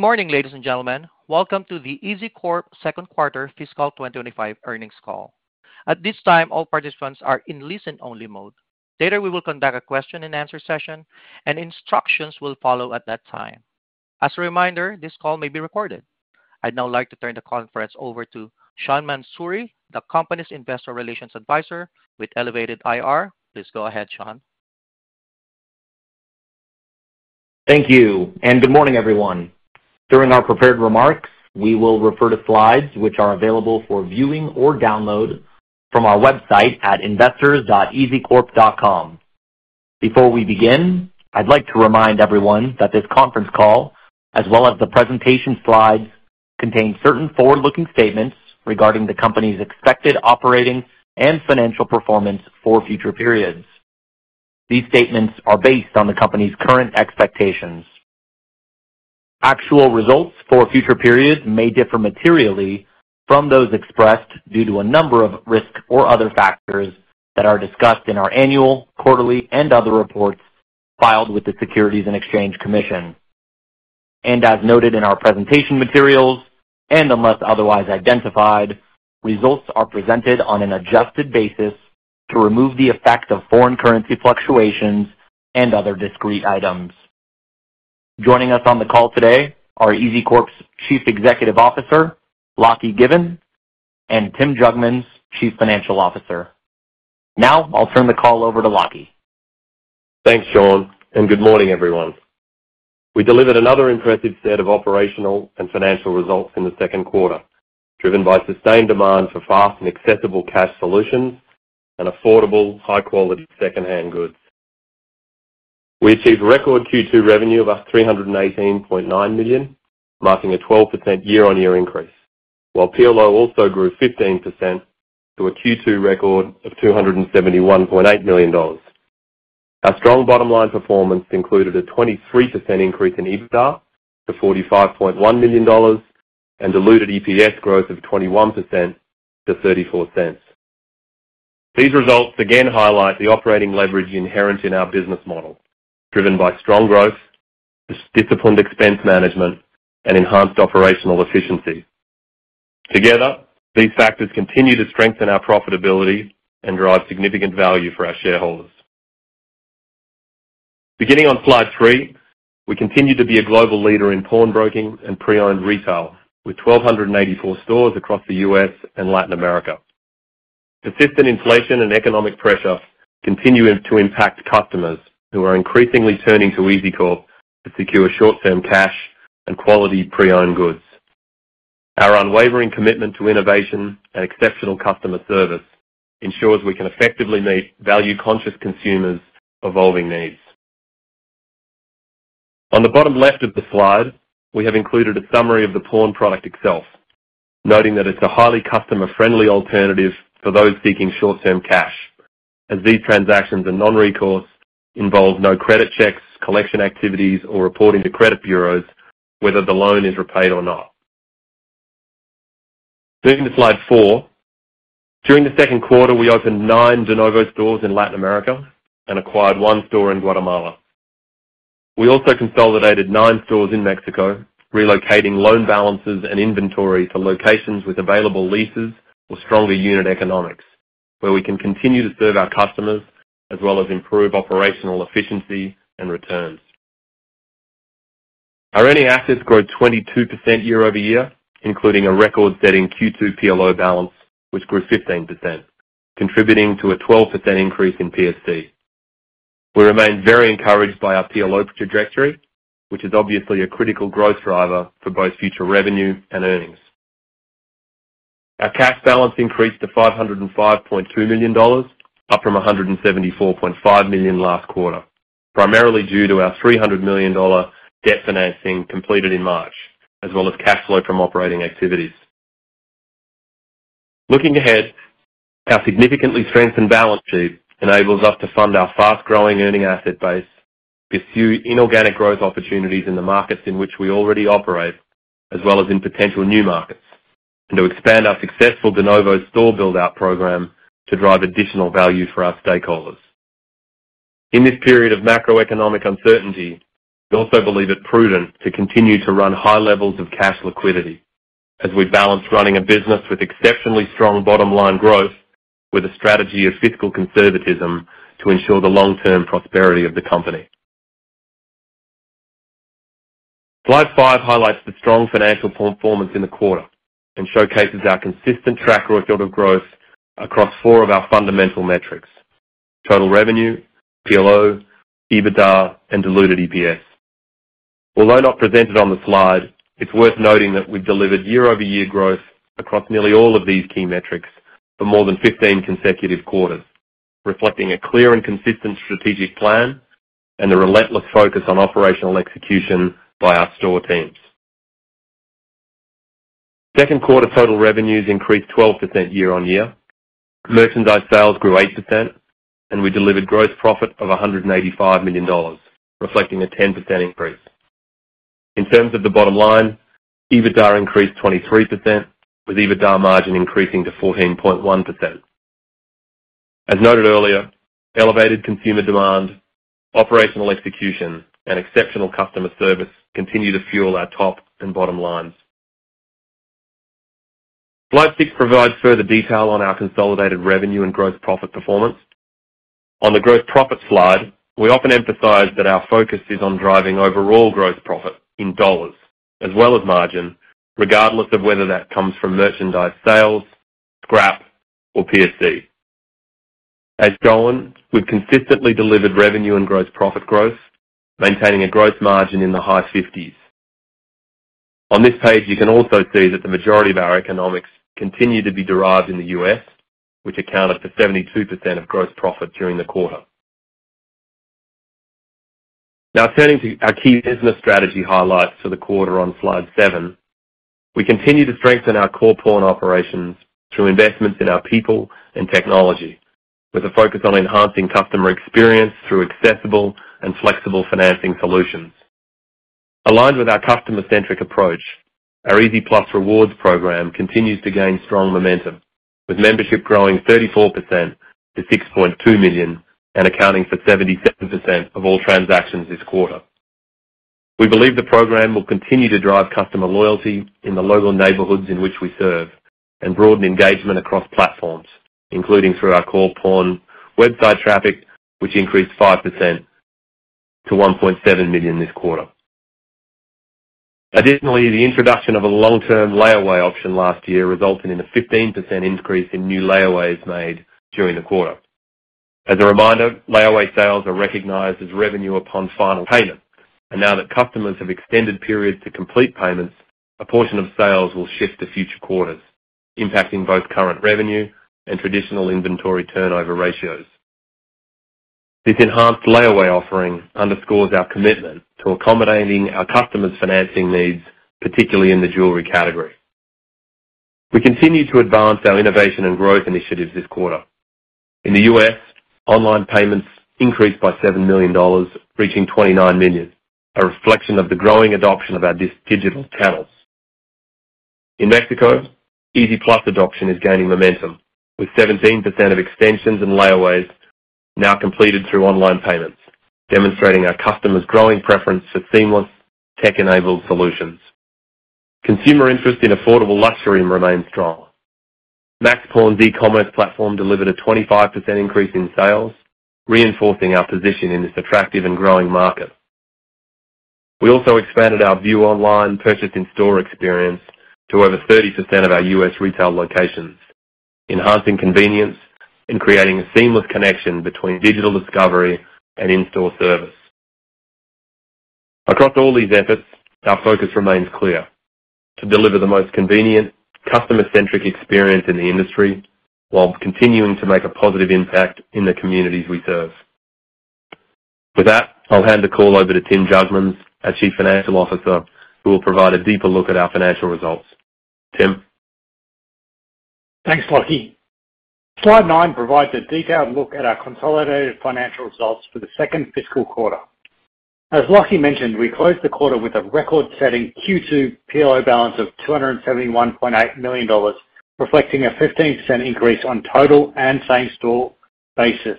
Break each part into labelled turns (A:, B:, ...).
A: Good morning, ladies and gentlemen. Welcome to the EZCORP second quarter fiscal 2025 earnings call. At this time, all participants are in listen-only mode. Later, we will conduct a question-and-answer session, and instructions will follow at that time. As a reminder, this call may be recorded. I'd now like to turn the conference over to Sean Mansouri, the Company's Investor Relations Advisor with Elevated IR. Please go ahead, Sean.
B: Thank you, and good morning, everyone. During our prepared remarks, we will refer to slides which are available for viewing or download from our website at investors.ezcorp.com. Before we begin, I'd like to remind everyone that this conference call, as well as the presentation slides, contain certain forward-looking statements regarding the company's expected operating and financial performance for future periods. These statements are based on the company's current expectations. Actual results for future periods may differ materially from those expressed due to a number of risk or other factors that are discussed in our annual, quarterly, and other reports filed with the Securities and Exchange Commission. As noted in our presentation materials, and unless otherwise identified, results are presented on an adjusted basis to remove the effect of foreign currency fluctuations and other discrete items. Joining us on the call today are EZCORP's Chief Executive Officer, Lachlan Given, and Tim Jugmans, Chief Financial Officer. Now, I'll turn the call over to Lachlan.
C: Thanks, Sean, and good morning, everyone. We delivered another impressive set of operational and financial results in the second quarter, driven by sustained demand for fast and accessible cash solutions and affordable, high-quality secondhand goods. We achieved a record Q2 revenue of $318.9 million, marking a 12% year-on-year increase, while PLO also grew 15% to a Q2 record of $271.8 million. Our strong bottom-line performance included a 23% increase in EBITDA to $45.1 million and diluted EPS growth of 21% to $0.34. These results again highlight the operating leverage inherent in our business model, driven by strong growth, disciplined expense management, and enhanced operational efficiency. Together, these factors continue to strengthen our profitability and drive significant value for our shareholders. Beginning on slide three, we continue to be a global leader in pawnbroking and pre-owned retail, with 1,284 stores across the US and Latin America. Persistent inflation and economic pressure continue to impact customers who are increasingly turning to EZCORP to secure short-term cash and quality pre-owned goods. Our unwavering commitment to innovation and exceptional customer service ensures we can effectively meet value-conscious consumers' evolving needs. On the bottom left of the slide, we have included a summary of the pawn product itself, noting that it's a highly customer-friendly alternative for those seeking short-term cash, as these transactions are non-recourse, involve no credit checks, collection activities, or reporting to credit bureaus whether the loan is repaid or not. Moving to slide four, during the second quarter, we opened nine de novo stores in Latin America and acquired one store in Guatemala. We also consolidated nine stores in Mexico, relocating loan balances and inventory to locations with available leases or stronger unit economics, where we can continue to serve our customers as well as improve operational efficiency and returns. Our earning assets grew 22% year-over-year, including a record-setting Q2 PLO balance, which grew 15%, contributing to a 12% increase in PSC. We remain very encouraged by our PLO trajectory, which is obviously a critical growth driver for both future revenue and earnings. Our cash balance increased to $505.2 million, up from $174.5 million last quarter, primarily due to our $300 million debt financing completed in March, as well as cash flow from operating activities. Looking ahead, our significantly strengthened balance sheet enables us to fund our fast-growing earning asset base, pursue inorganic growth opportunities in the markets in which we already operate, as well as in potential new markets, and to expand our successful Genovo store build-out program to drive additional value for our stakeholders. In this period of macroeconomic uncertainty, we also believe it prudent to continue to run high levels of cash liquidity, as we balance running a business with exceptionally strong bottom-line growth with a strategy of fiscal conservatism to ensure the long-term prosperity of the company. Slide five highlights the strong financial performance in the quarter and showcases our consistent track record of growth across four of our fundamental metrics: total revenue, PLO, EBITDA, and diluted EPS. Although not presented on the slide, it's worth noting that we've delivered year-over-year growth across nearly all of these key metrics for more than 15 consecutive quarters, reflecting a clear and consistent strategic plan and the relentless focus on operational execution by our store teams. Second quarter total revenues increased 12% year-on-year. Merchandise sales grew 8%, and we delivered gross profit of $185 million, reflecting a 10% increase. In terms of the bottom line, EBITDA increased 23%, with EBITDA margin increasing to 14.1%. As noted earlier, elevated consumer demand, operational execution, and exceptional customer service continue to fuel our top and bottom lines. Slide six provides further detail on our consolidated revenue and gross profit performance. On the gross profit slide, we often emphasize that our focus is on driving overall gross profit in dollars, as well as margin, regardless of whether that comes from merchandise sales, scrap, or PSC. As shown, we've consistently delivered revenue and gross profit growth, maintaining a gross margin in the high 50s. On this page, you can also see that the majority of our economics continue to be derived in the US, which accounted for 72% of gross profit during the quarter. Now, turning to our key business strategy highlights for the quarter on slide seven, we continue to strengthen our core pawn operations through investments in our people and technology, with a focus on enhancing customer experience through accessible and flexible financing solutions. Aligned with our customer-centric approach, our EZ Plus Rewards program continues to gain strong momentum, with membership growing 34% to 6.2 million and accounting for 77% of all transactions this quarter. We believe the program will continue to drive customer loyalty in the local neighborhoods in which we serve and broaden engagement across platforms, including through our core pawn website traffic, which increased 5% to 1.7 million this quarter. Additionally, the introduction of a long-term layaway option last year resulted in a 15% increase in new layaways made during the quarter. As a reminder, layaway sales are recognized as revenue upon final payment, and now that customers have extended periods to complete payments, a portion of sales will shift to future quarters, impacting both current revenue and traditional inventory turnover ratios. This enhanced layaway offering underscores our commitment to accommodating our customers' financing needs, particularly in the jewelry category. We continue to advance our innovation and growth initiatives this quarter. In the U.S., online payments increased by $7 million, reaching $29 million, a reflection of the growing adoption of our digital channels. In Mexico, EZ Plus adoption is gaining momentum, with 17% of extensions and layaways now completed through online payments, demonstrating our customers' growing preference for seamless, tech-enabled solutions. Consumer interest in affordable luxury remains strong. Max Pawn's e-commerce platform delivered a 25% increase in sales, reinforcing our position in this attractive and growing market. We also expanded our view-online, purchase-in-store experience to over 30% of our U.S. retail locations, enhancing convenience and creating a seamless connection between digital discovery and in-store service. Across all these efforts, our focus remains clear: to deliver the most convenient, customer-centric experience in the industry while continuing to make a positive impact in the communities we serve. With that, I'll hand the call over to Tim Jugmans, our Chief Financial Officer, who will provide a deeper look at our financial results. Tim.
D: Thanks, Lachy. Slide nine provides a detailed look at our consolidated financial results for the second fiscal quarter. As Lachy mentioned, we closed the quarter with a record-setting Q2 PLO balance of $271.8 million, reflecting a 15% increase on total and same-store basis.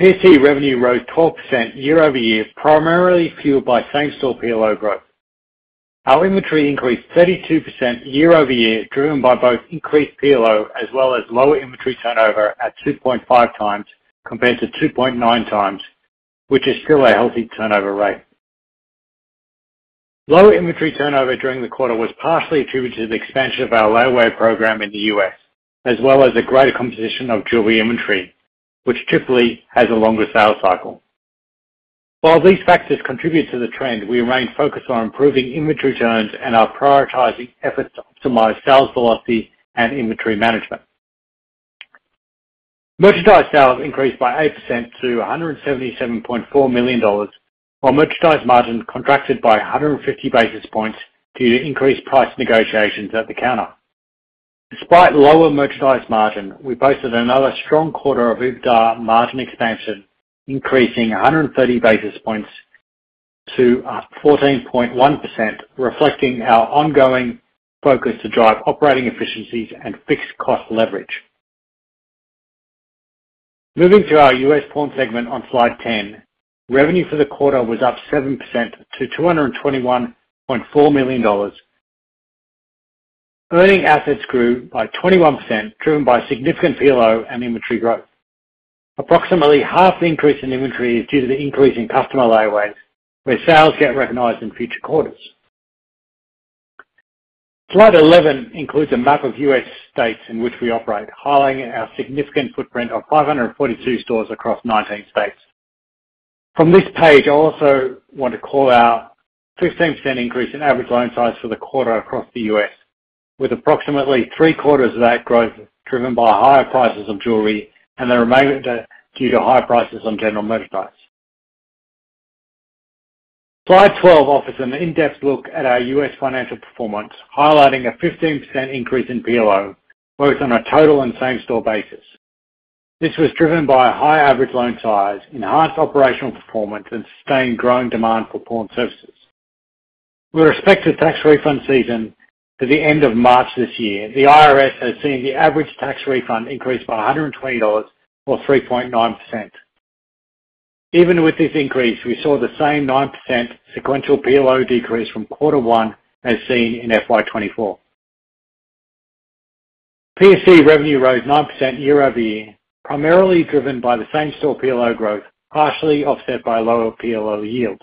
D: PSC revenue rose 12% year-over-year, primarily fueled by same-store PLO growth. Our inventory increased 32% year-over-year, driven by both increased PLO as well as lower inventory turnover at 2.5 times compared to 2.9 times, which is still a healthy turnover rate. Lower inventory turnover during the quarter was partially attributed to the expansion of our layaway program in the US, as well as a greater composition of jewelry inventory, which typically has a longer sales cycle. While these factors contribute to the trend, we remain focused on improving inventory turns and are prioritizing efforts to optimize sales velocity and inventory management. Merchandise sales increased by 8% to $177.4 million, while merchandise margin contracted by 150 basis points due to increased price negotiations at the counter. Despite lower merchandise margin, we posted another strong quarter of EBITDA margin expansion, increasing 130 basis points to 14.1%, reflecting our ongoing focus to drive operating efficiencies and fixed-cost leverage. Moving to our US pawn segment on slide 10, revenue for the quarter was up 7% to $221.4 million. Earning assets grew by 21%, driven by significant PLO and inventory growth. Approximately half the increase in inventory is due to the increase in customer layaways, where sales get recognized in future quarters. Slide 11 includes a map of US states in which we operate, highlighting our significant footprint of 542 stores across 19 states. From this page, I also want to call out a 15% increase in average loan size for the quarter across the US, with approximately three-quarters of that growth driven by higher prices of jewelry and the remainder due to high prices on general merchandise. Slide 12 offers an in-depth look at our US financial performance, highlighting a 15% increase in PLO, both on a total and same-store basis. This was driven by high average loan size, enhanced operational performance, and sustained growing demand for pawn services. With respect to tax refund season to the end of March this year, the IRS has seen the average tax refund increase by $120 or 3.9%. Even with this increase, we saw the same 9% sequential PLO decrease from quarter one as seen in FY2024. PSC revenue rose 9% year-over-year, primarily driven by the same-store PLO growth, partially offset by lower PLO yield.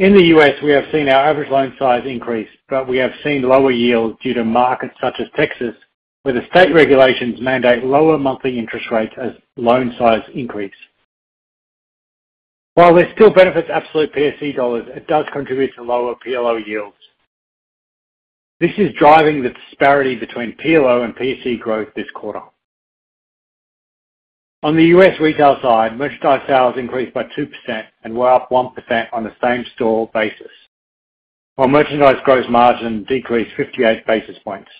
D: In the U.S., we have seen our average loan size increase, but we have seen lower yields due to markets such as Texas, where the state regulations mandate lower monthly interest rates as loan size increases. While this still benefits absolute PSC dollars, it does contribute to lower PLO yields. This is driving the disparity between PLO and PSC growth this quarter. On the U.S. retail side, merchandise sales increased by 2% and were up 1% on the same-store basis, while merchandise gross margin decreased 58 basis points.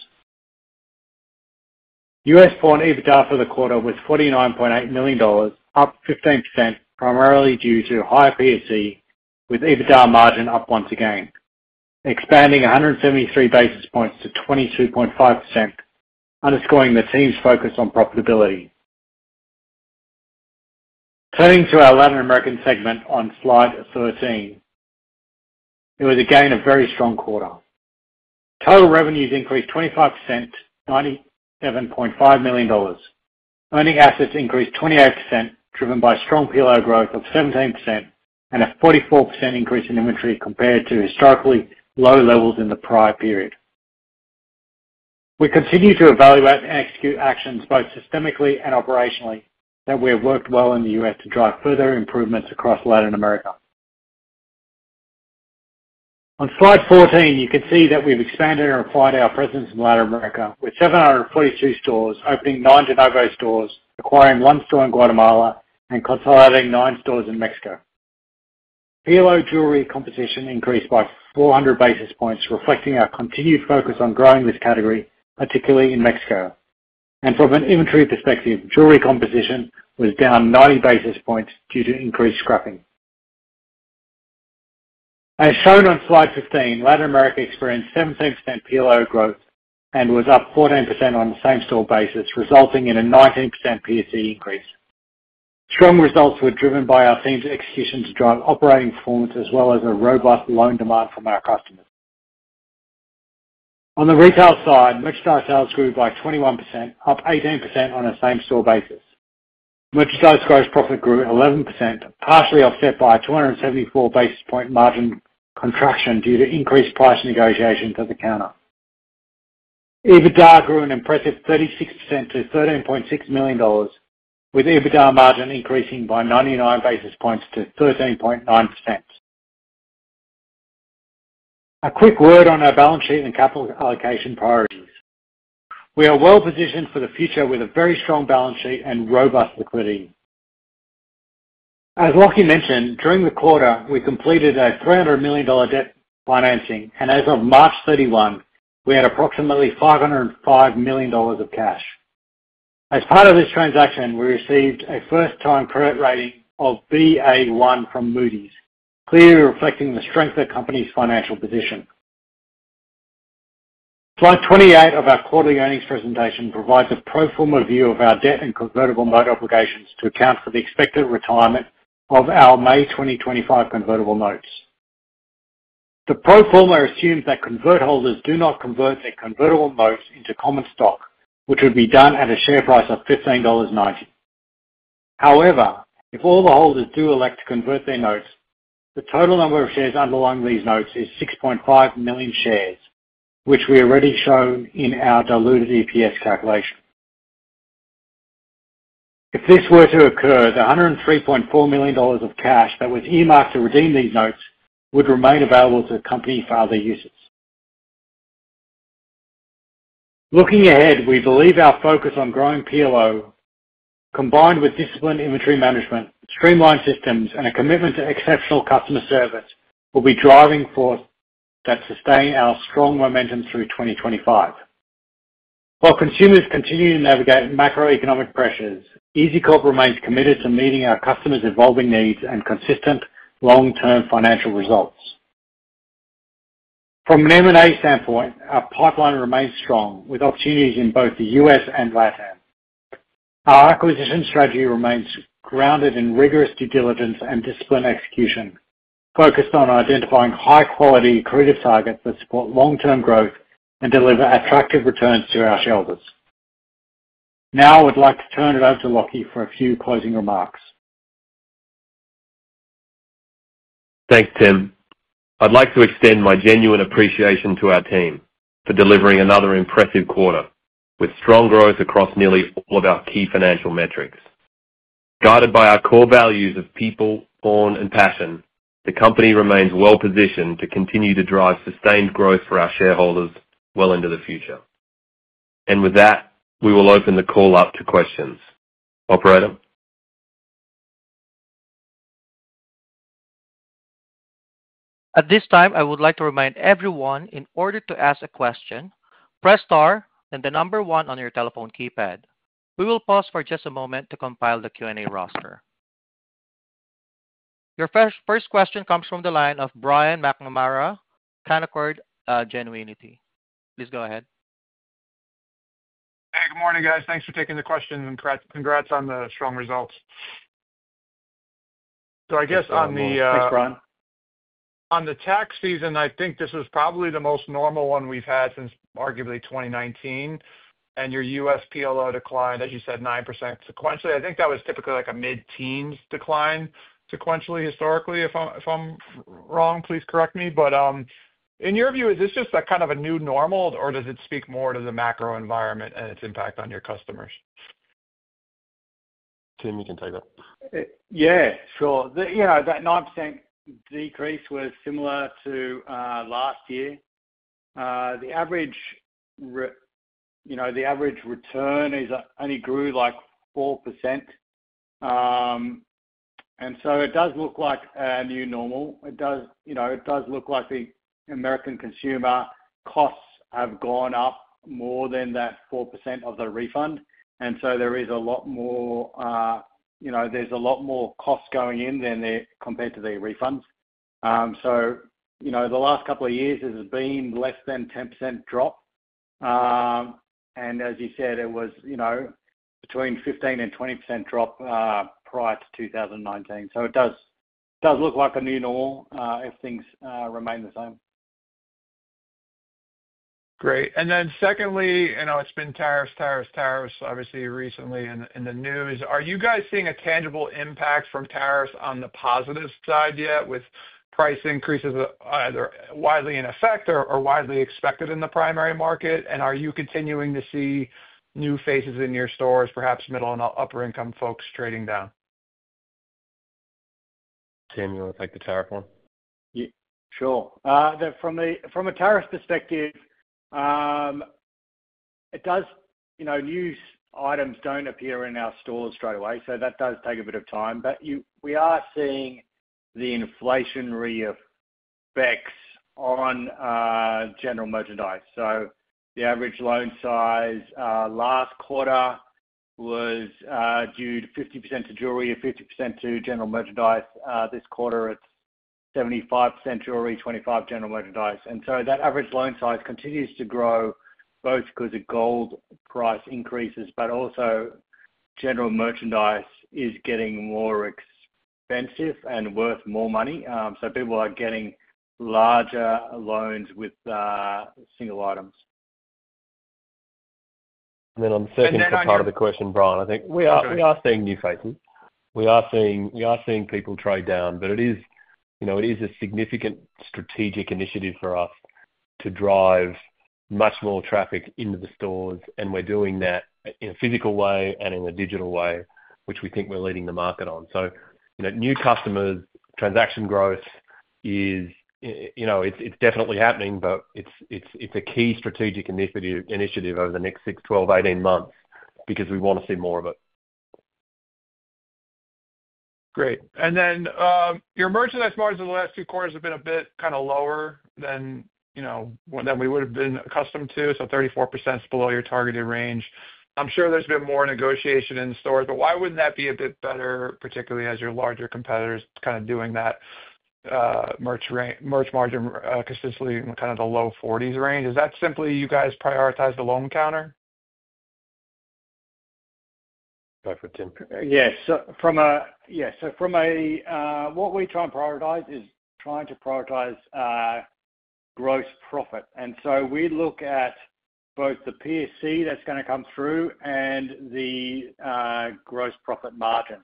D: U.S. pawn EBITDA for the quarter was $49.8 million, up 15%, primarily due to higher PSC, with EBITDA margin up once again, expanding 173 basis points to 22.5%, underscoring the team's focus on profitability. Turning to our Latin American segment on slide 13, it was again a very strong quarter. Total revenues increased 25% to $97.5 million. Earning assets increased 28%, driven by strong PLO growth of 17% and a 44% increase in inventory compared to historically low levels in the prior period. We continue to evaluate and execute actions both systemically and operationally that we have worked well in the US to drive further improvements across Latin America. On slide 14, you can see that we've expanded and applied our presence in Latin America, with 742 stores opening, nine Genovo stores, acquiring one store in Guatemala, and consolidating nine stores in Mexico. PLO jewelry composition increased by 400 basis points, reflecting our continued focus on growing this category, particularly in Mexico. From an inventory perspective, jewelry composition was down 90 basis points due to increased scrapping. As shown on slide 15, Latin America experienced 17% PLO growth and was up 14% on the same-store basis, resulting in a 19% PSC increase. Strong results were driven by our team's execution to drive operating performance as well as a robust loan demand from our customers. On the retail side, merchandise sales grew by 21%, up 18% on a same-store basis. Merchandise gross profit grew 11%, partially offset by a 274 basis point margin contraction due to increased price negotiations at the counter. EBITDA grew an impressive 36% to $13.6 million, with EBITDA margin increasing by 99 basis points to 13.9%. A quick word on our balance sheet and capital allocation priorities. We are well positioned for the future with a very strong balance sheet and robust liquidity. As Lachlan mentioned, during the quarter, we completed a $300 million debt financing, and as of March 31, we had approximately $505 million of cash. As part of this transaction, we received a first-time credit rating of Ba1 from Moody's, clearly reflecting the strength of the company's financial position. Slide 28 of our quarterly earnings presentation provides a pro forma view of our debt and convertible note obligations to account for the expected retirement of our May 2025 convertible notes. The pro forma assumes that convert holders do not convert their convertible notes into common stock, which would be done at a share price of $15.90. However, if all the holders do elect to convert their notes, the total number of shares underlying these notes is 6.5 million shares, which we already show in our diluted EPS calculation. If this were to occur, the $103.4 million of cash that was earmarked to redeem these notes would remain available to the company for other uses. Looking ahead, we believe our focus on growing PLO, combined with disciplined inventory management, streamlined systems, and a commitment to exceptional customer service, will be driving forces that sustain our strong momentum through 2025. While consumers continue to navigate macroeconomic pressures, EZCORP remains committed to meeting our customers' evolving needs and consistent long-term financial results. From an M&A standpoint, our pipeline remains strong, with opportunities in both the US and LatAm. Our acquisition strategy remains grounded in rigorous due diligence and disciplined execution, focused on identifying high-quality creative targets that support long-term growth and deliver attractive returns to our shareholders. Now, I would like to turn it over to Lachy for a few closing remarks.
C: Thanks, Tim. I'd like to extend my genuine appreciation to our team for delivering another impressive quarter, with strong growth across nearly all of our key financial metrics. Guided by our core values of people, pawn, and passion, the company remains well positioned to continue to drive sustained growth for our shareholders well into the future. With that, we will open the call up to questions. Operator.
E: At this time, I would like to remind everyone, in order to ask a question, press star and the number one on your telephone keypad. We will pause for just a moment to compile the Q&A roster. Your first question comes from the line of Brian McNamara with Canaccord Genuity. Please go ahead.
F: Hey, good morning, guys. Thanks for taking the question. Congrats on the strong results. I guess on the.
C: Thanks, Brian.
F: On the tax season, I think this was probably the most normal one we've had since arguably 2019. Your U.S. PLO declined, as you said, 9% sequentially. I think that was typically like a mid-teens decline sequentially, historically, if I'm wrong. Please correct me. In your view, is this just a kind of a new normal, or does it speak more to the macro environment and its impact on your customers?
C: Tim, you can take that.
D: Yeah. Sure. Yeah, that 9% decrease was similar to last year. The average return only grew like 4%. It does look like a new normal. It does look like the American consumer costs have gone up more than that 4% of the refund. There is a lot more, there's a lot more costs going in compared to the refunds. The last couple of years, there's been less than a 10% drop. As you said, it was between 15%-20% drop prior to 2019. It does look like a new normal if things remain the same.
F: Great. Secondly, it's been tariffs, tariffs, tariffs, obviously recently in the news. Are you guys seeing a tangible impact from tariffs on the positive side yet, with price increases either widely in effect or widely expected in the primary market? Are you continuing to see new faces in your stores, perhaps middle and upper-income folks trading down?
C: Tim, you want to take the tariff one?
D: Sure. From a tariff perspective, news items do not appear in our stores straight away, so that does take a bit of time. We are seeing the inflationary effects on general merchandise. The average loan size last quarter was due to 50% to jewelry and 50% to general merchandise. This quarter, it is 75% jewelry, 25% general merchandise. That average loan size continues to grow, both because of gold price increases, but also general merchandise is getting more expensive and worth more money. People are getting larger loans with single items.
C: On the second part of the question, Brian, I think we are seeing new faces. We are seeing people trade down, but it is a significant strategic initiative for us to drive much more traffic into the stores. We are doing that in a physical way and in a digital way, which we think we are leading the market on. New customers, transaction growth, it is definitely happening, but it is a key strategic initiative over the next six, 12, 18 months because we want to see more of it.
F: Great. Your merchandise margins in the last two quarters have been a bit kind of lower than we would have been accustomed to, so 34% below your targeted range. I'm sure there's been more negotiation in stores, but why wouldn't that be a bit better, particularly as your larger competitors kind of doing that merch margin consistently in kind of the low 40% range? Is that simply you guys prioritize the loan counter?
C: Go for it, Tim.
D: Yeah. From what we're trying to prioritize is trying to prioritize gross profit. We look at both the PSC that's going to come through and the gross profit margin.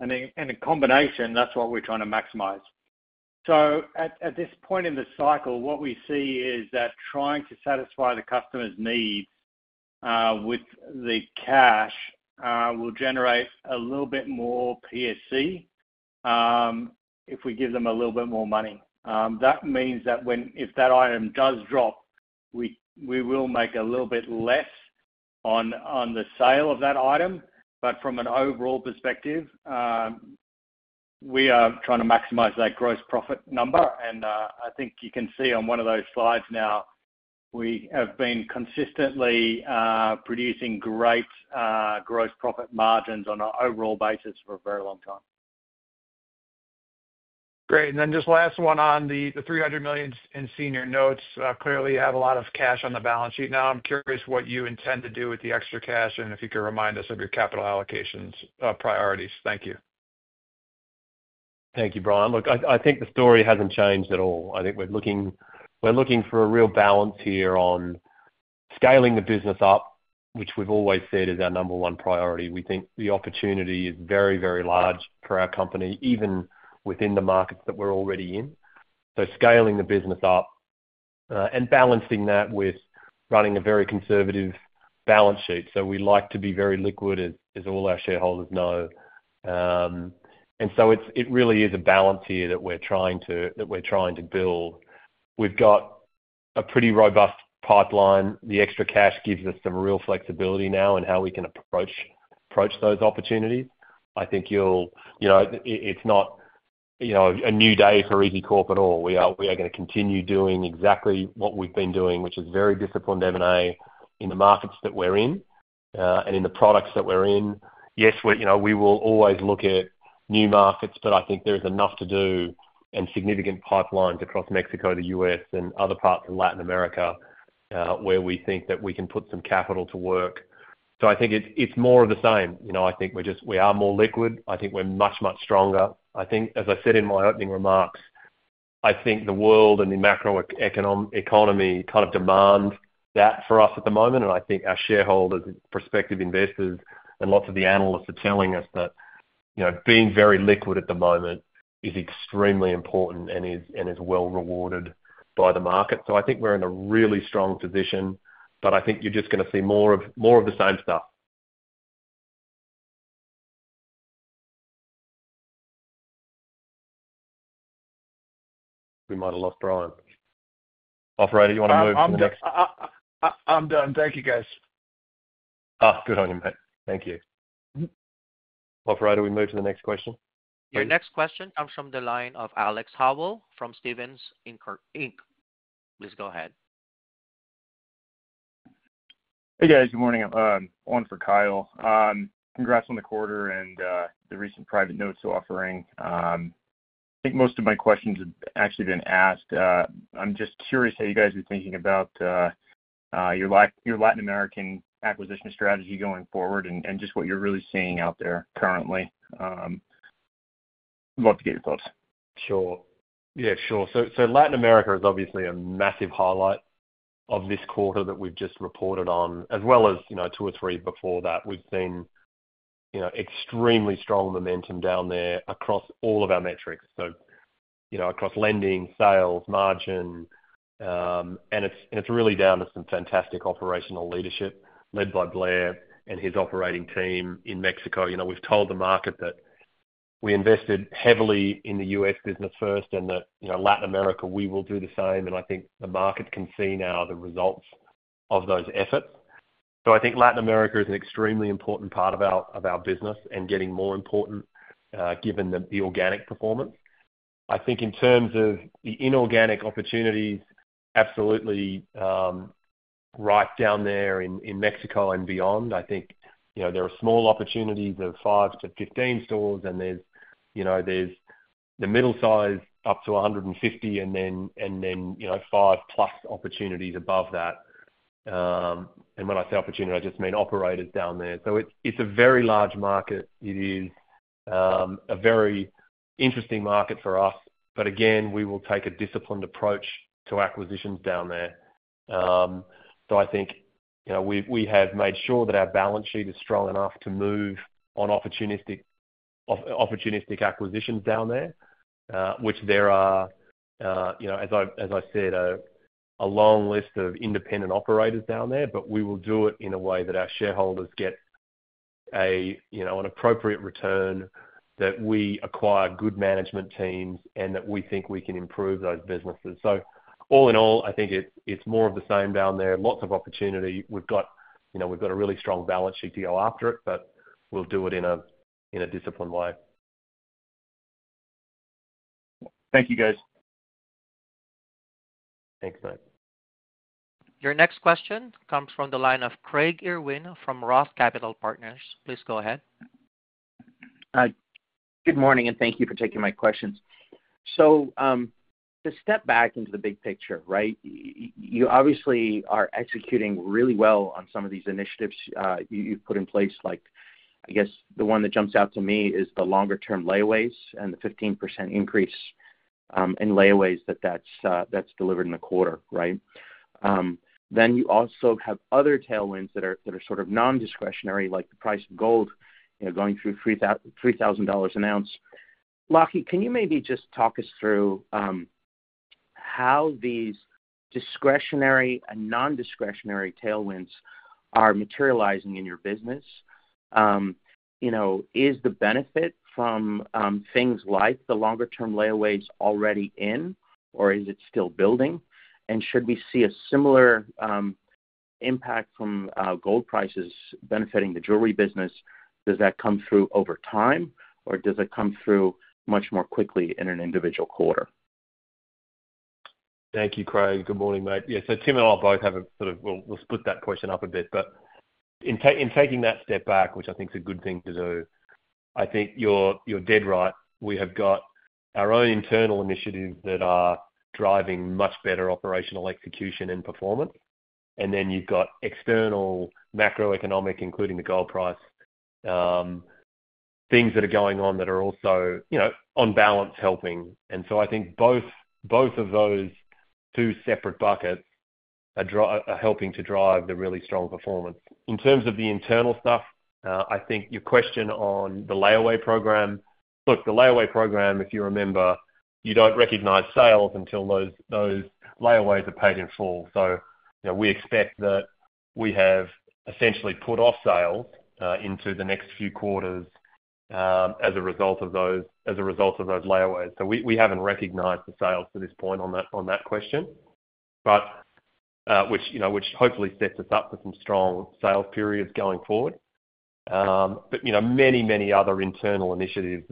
D: In combination, that's what we're trying to maximize. At this point in the cycle, what we see is that trying to satisfy the customer's needs with the cash will generate a little bit more PSC if we give them a little bit more money. That means that if that item does drop, we will make a little bit less on the sale of that item. From an overall perspective, we are trying to maximize that gross profit number. I think you can see on one of those slides now, we have been consistently producing great gross profit margins on an overall basis for a very long time.
F: Great. Then just last one on the $300 million in senior notes. Clearly, you have a lot of cash on the balance sheet. Now, I'm curious what you intend to do with the extra cash and if you could remind us of your capital allocation priorities. Thank you.
C: Thank you, Brian. Look, I think the story hasn't changed at all. I think we're looking for a real balance here on scaling the business up, which we've always said is our number one priority. We think the opportunity is very, very large for our company, even within the markets that we're already in. Scaling the business up and balancing that with running a very conservative balance sheet. We like to be very liquid, as all our shareholders know. It really is a balance here that we're trying to build. We've got a pretty robust pipeline. The extra cash gives us some real flexibility now in how we can approach those opportunities. I think it's not a new day for EZCORP at all. We are going to continue doing exactly what we've been doing, which is very disciplined M&A in the markets that we're in and in the products that we're in. Yes, we will always look at new markets, but I think there is enough to do and significant pipelines across Mexico, the U.S., and other parts of Latin America where we think that we can put some capital to work. I think it's more of the same. I think we are more liquid. I think we're much, much stronger. I think, as I said in my opening remarks, the world and the macro economy kind of demand that for us at the moment. I think our shareholders, prospective investors, and lots of the analysts are telling us that being very liquid at the moment is extremely important and is well rewarded by the market. I think we're in a really strong position, but I think you're just going to see more of the same stuff. We might have lost Brian. Operator, you want to move to the next?
F: I'm done. Thank you, guys.
C: Oh, good on you, mate. Thank you. Operator, we move to the next question.
E: Your next question comes from the line of Alex Howell from Stephens Inc. Please go ahead.
G: Hey, guys. Good morning. On for Kyle. Congrats on the quarter and the recent private notes offering. I think most of my questions have actually been asked. I'm just curious how you guys are thinking about your Latin American acquisition strategy going forward and just what you're really seeing out there currently. Love to get your thoughts.
C: Sure. Yeah, sure. Latin America is obviously a massive highlight of this quarter that we've just reported on, as well as two or three before that. We've seen extremely strong momentum down there across all of our metrics, so across lending, sales, margin. It's really down to some fantastic operational leadership led by Blas and his operating team in Mexico. We've told the market that we invested heavily in the U.S. business first and that Latin America, we will do the same. I think the market can see now the results of those efforts. I think Latin America is an extremely important part of our business and getting more important given the organic performance. I think in terms of the inorganic opportunities, absolutely ripe down there in Mexico and beyond. I think there are small opportunities of five to 15 stores, and there's the middle size up to 150, and then five plus opportunities above that. When I say opportunity, I just mean operators down there. It is a very large market. It is a very interesting market for us. Again, we will take a disciplined approach to acquisitions down there. I think we have made sure that our balance sheet is strong enough to move on opportunistic acquisitions down there, which there are, as I said, a long list of independent operators down there, but we will do it in a way that our shareholders get an appropriate return, that we acquire good management teams, and that we think we can improve those businesses. All in all, I think it's more of the same down there. Lots of opportunity. We've got a really strong balance sheet to go after it, but we'll do it in a disciplined way.
G: Thank you, guys.
C: Thanks, mate.
E: Your next question comes from the line of Craig Irwin from Roth Capital Partners. Please go ahead.
A: Good morning, and thank you for taking my questions. To step back into the big picture, right, you obviously are executing really well on some of these initiatives you've put in place. I guess the one that jumps out to me is the longer-term layaways and the 15% increase in layaways that that's delivered in the quarter, right? You also have other tailwinds that are sort of non-discretionary, like the price of gold going through $3,000 an ounce. Lachlan, can you maybe just talk us through how these discretionary and non-discretionary tailwinds are materializing in your business? Is the benefit from things like the longer-term layaways already in, or is it still building? Should we see a similar impact from gold prices benefiting the jewelry business? Does that come through over time, or does it come through much more quickly in an individual quarter?
C: Thank you, Craig. Good morning, mate. Yeah, Tim and I both have a sort of we'll split that question up a bit. In taking that step back, which I think is a good thing to do, I think you're dead right. We have got our own internal initiatives that are driving much better operational execution and performance. You have external macroeconomic, including the gold price, things that are going on that are also on balance helping. I think both of those two separate buckets are helping to drive the really strong performance. In terms of the internal stuff, I think your question on the layaway program, look, the layaway program, if you remember, you do not recognize sales until those layaways are paid in full. We expect that we have essentially put off sales into the next few quarters as a result of those layaways. We have not recognized the sales to this point on that question, which hopefully sets us up for some strong sales periods going forward. Many, many other internal initiatives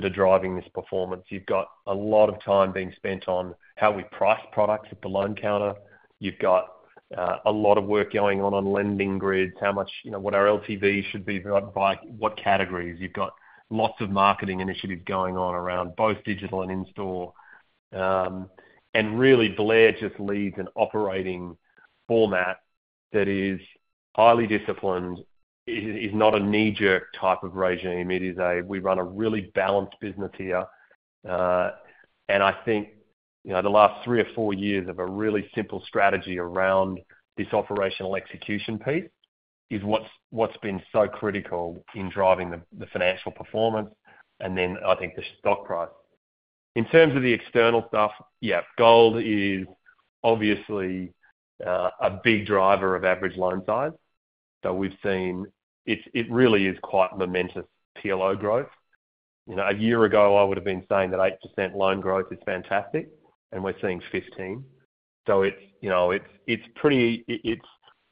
C: are driving this performance. You have got a lot of time being spent on how we price products at the loan counter. You have got a lot of work going on on lending grids, how much, what our LTV should be by what categories. You have got lots of marketing initiatives going on around both digital and in-store. Really, Blair just leads an operating format that is highly disciplined. It is not a knee-jerk type of regime. It is a we run a really balanced business here. I think the last three or four years of a really simple strategy around this operational execution piece is what's been so critical in driving the financial performance. I think the stock price. In terms of the external stuff, yeah, gold is obviously a big driver of average loan size. We've seen it really is quite momentous PLO growth. A year ago, I would have been saying that 8% loan growth is fantastic, and we're seeing 15%.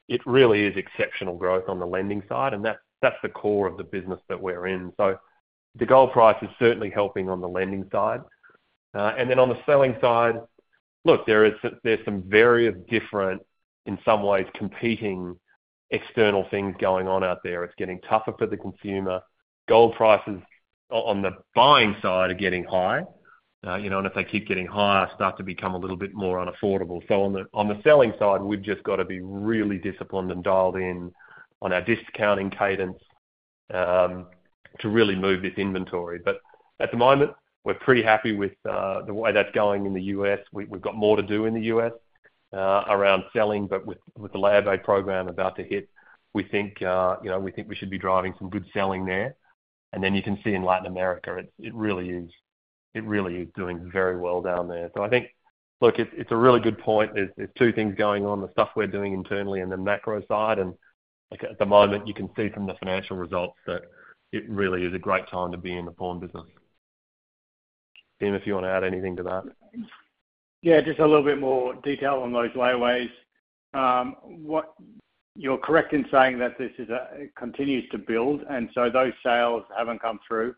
C: It really is exceptional growth on the lending side, and that's the core of the business that we're in. The gold price is certainly helping on the lending side. On the selling side, look, there are some very different, in some ways, competing external things going on out there. It's getting tougher for the consumer. Gold prices on the buying side are getting high. If they keep getting higher, stuff does become a little bit more unaffordable. On the selling side, we've just got to be really disciplined and dialed in on our discounting cadence to really move this inventory. At the moment, we're pretty happy with the way that's going in the U.S. We've got more to do in the U.S. around selling, but with the Layaway program about to hit, we think we should be driving some good selling there. You can see in Latin America, it really is doing very well down there. I think, look, it's a really good point. There are two things going on, the stuff we're doing internally and the macro side. At the moment, you can see from the financial results that it really is a great time to be in the pawn business. Tim, if you want to add anything to that?
D: Yeah, just a little bit more detail on those layaways. You're correct in saying that this continues to build, and those sales haven't come through.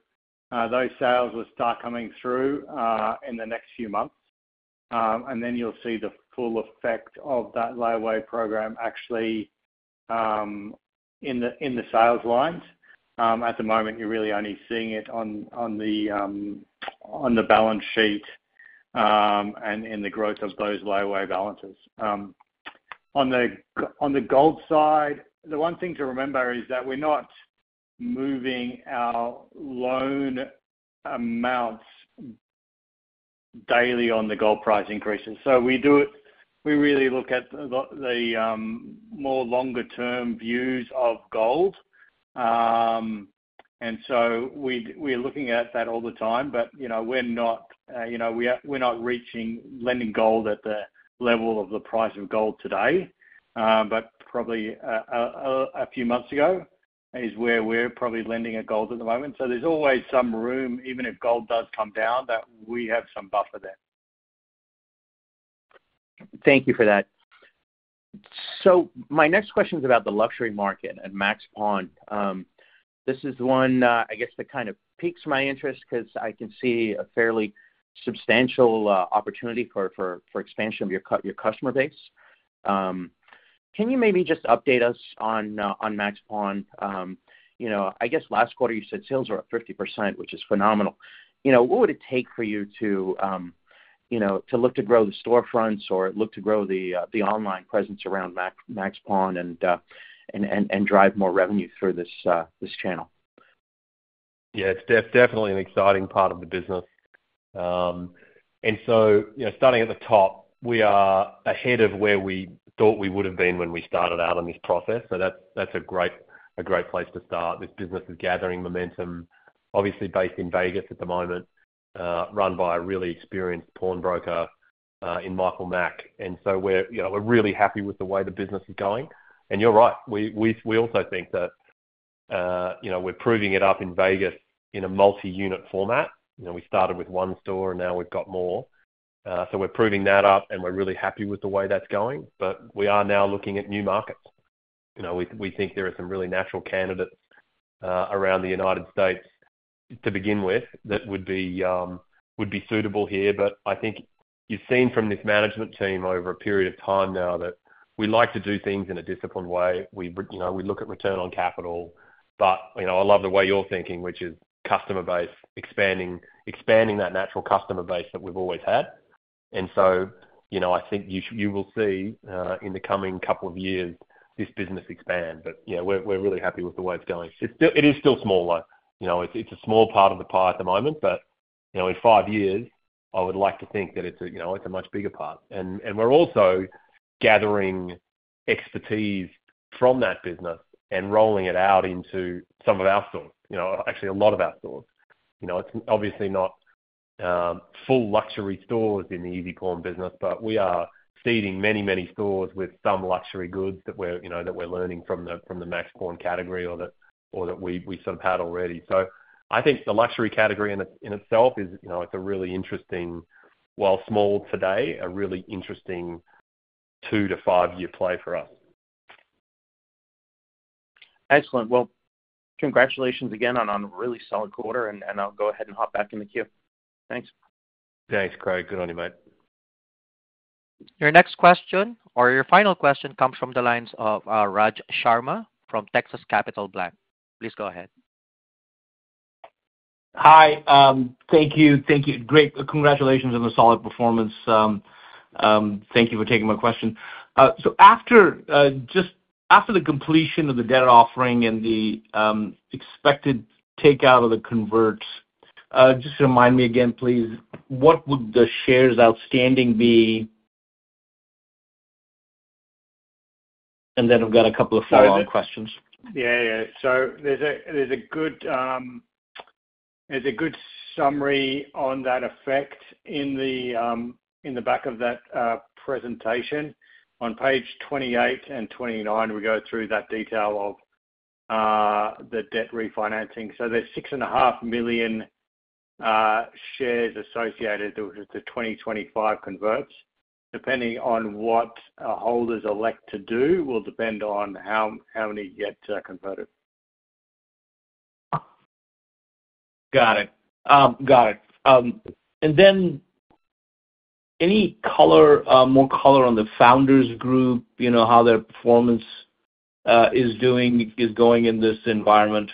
D: Those sales will start coming through in the next few months. You'll see the full effect of that layaway program actually in the sales lines. At the moment, you're really only seeing it on the balance sheet and in the growth of those layaway balances. On the gold side, the one thing to remember is that we're not moving our loan amounts daily on the gold price increases. We really look at the more longer-term views of gold. We're looking at that all the time, but we're not reaching lending gold at the level of the price of gold today, but probably a few months ago is where we're probably lending at gold at the moment. There is always some room, even if gold does come down, that we have some buffer there.
A: Thank you for that. My next question is about the luxury market and Maxpawn. This is one, I guess, that kind of piques my interest because I can see a fairly substantial opportunity for expansion of your customer base. Can you maybe just update us on Maxpawn? I guess last quarter, you said sales were up 50%, which is phenomenal. What would it take for you to look to grow the storefronts or look to grow the online presence around Maxpawn and drive more revenue through this channel?
C: Yeah, it's definitely an exciting part of the business. Starting at the top, we are ahead of where we thought we would have been when we started out on this process. That's a great place to start. This business is gathering momentum, obviously based in Las Vegas at the moment, run by a really experienced pawnbroker in Michael Mack. We're really happy with the way the business is going. You're right. We also think that we're proving it up in Las Vegas in a multi-unit format. We started with one store, and now we've got more. We're proving that up, and we're really happy with the way that's going. We are now looking at new markets. We think there are some really natural candidates around the United States to begin with that would be suitable here. I think you have seen from this management team over a period of time now that we like to do things in a disciplined way. We look at return on capital. I love the way you are thinking, which is customer base, expanding that natural customer base that we have always had. I think you will see in the coming couple of years this business expand. We are really happy with the way it is going. It is still smaller. It is a small part of the pie at the moment, but in five years, I would like to think that it is a much bigger part. We are also gathering expertise from that business and rolling it out into some of our stores, actually a lot of our stores. It's obviously not full luxury stores in the EZCORP business, but we are feeding many, many stores with some luxury goods that we're learning from the Maxpawn category or that we sort of had already. I think the luxury category in itself, it's a really interesting, while small today, a really interesting two- to five-year play for us.
A: Excellent. Congratulations again on a really solid quarter, and I'll go ahead and hop back in the queue. Thanks.
C: Thanks, Craig. Good on you, mate.
E: Your next question or your final question comes from the lines of Raj Sharma from Texas Capital. Please go ahead.
H: Hi. Thank you. Thank you. Great. Congratulations on the solid performance. Thank you for taking my question. Just after the completion of the debt offering and the expected takeout of the converts, just remind me again, please, what would the shares outstanding be? I have a couple of follow-up questions.
D: Yeah, yeah. So there's a good summary on that effect in the back of that presentation. On page 28 and 29, we go through that detail of the debt refinancing. So there's 6.5 million shares associated with the 2025 converts. Depending on what holders elect to do, it will depend on how many get converted.
H: Got it. Got it. Any more color on the founders' group, how their performance is doing in this environment?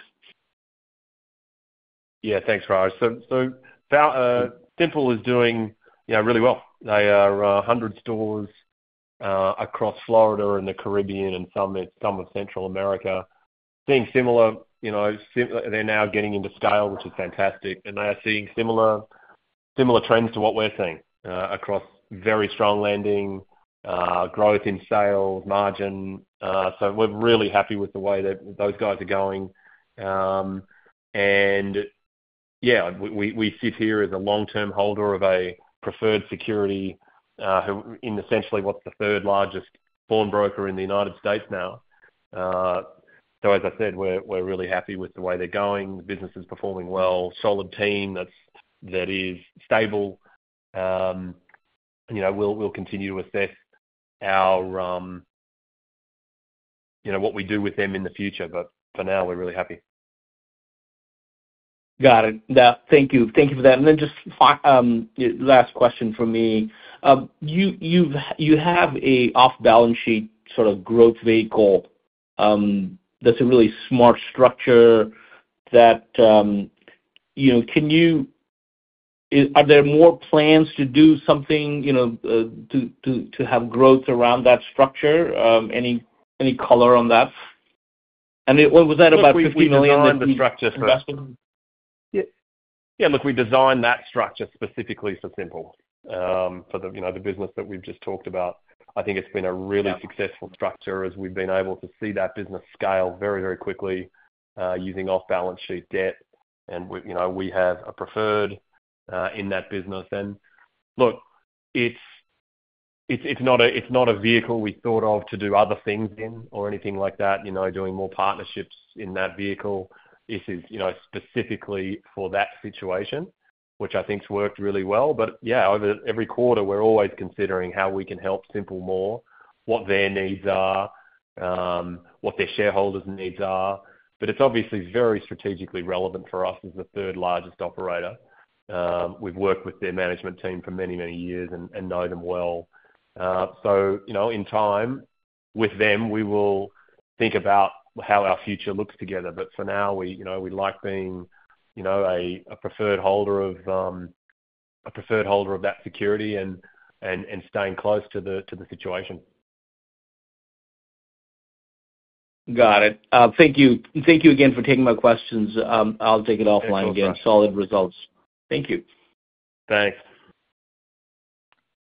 C: Yeah, thanks, Raj. Simple is doing really well. They are 100 stores across Florida and the Caribbean and some of Central America. Seeing similar, they're now getting into scale, which is fantastic. They are seeing similar trends to what we're seeing across very strong lending, growth in sales, margin. We're really happy with the way that those guys are going. Yeah, we sit here as a long-term holder of a preferred security in essentially what's the third largest pawn broker in the United States now. As I said, we're really happy with the way they're going. The business is performing well. Solid team that is stable. We'll continue to assess what we do with them in the future, but for now, we're really happy.
H: Got it. Thank you. Thank you for that. Just last question for me. You have an off-balance sheet sort of growth vehicle. That is a really smart structure. Are there more plans to do something to have growth around that structure? Any color on that? Was that about $50 million that you invested?
D: Yeah. Look, we designed that structure specifically for Temple, for the business that we've just talked about. I think it's been a really successful structure as we've been able to see that business scale very, very quickly using off-balance sheet debt. We have a preferred in that business. Look, it's not a vehicle we thought of to do other things in or anything like that, doing more partnerships in that vehicle. This is specifically for that situation, which I think has worked really well. Yeah, every quarter, we're always considering how we can help Temple more, what their needs are, what their shareholders' needs are. It's obviously very strategically relevant for us as the third largest operator. We've worked with their management team for many, many years and know them well. In time with them, we will think about how our future looks together. For now, we like being a preferred holder of that security and staying close to the situation.
H: Got it. Thank you. Thank you again for taking my questions. I'll take it offline again. Solid results. Thank you.
C: Thanks.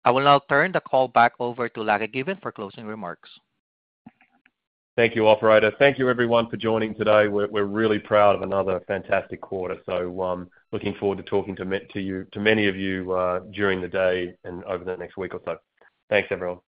E: I will now turn the call back over to Lachlan Given for closing remarks.
C: Thank you, operator. Thank you, everyone, for joining today. We're really proud of another fantastic quarter. Looking forward to talking to many of you during the day and over the next week or so. Thanks, everyone.